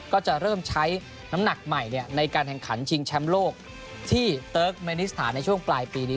ก็จะเริ่มใช้น้ำหนักใหม่ในการแข่งขันชิงแชมป์โลกที่เติร์กเมนิสถานในช่วงปลายปีนี้